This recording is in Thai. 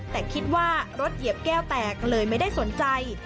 แต่คิดว่ารถเหยียบแก้วแตกเลยไม่ได้สนใจ